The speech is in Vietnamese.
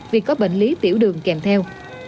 vì có bệnh lý tiểu đường kèm theo